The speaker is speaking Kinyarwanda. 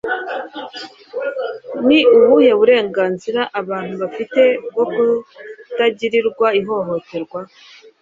ni ubuhe burenganzira abantu bafite bwo kutagirirwa ihohoterwa